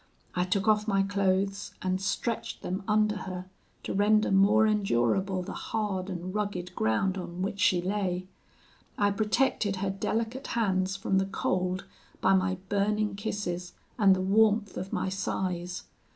I took off my clothes and stretched them under her, to render more endurable the hard and rugged ground on which she lay. I protected her delicate hands from the cold by my burning kisses and the warmth of my sighs.